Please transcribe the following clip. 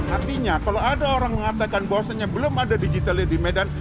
artinya kalau ada orang mengatakan bahwasannya belum ada digitalnya di medan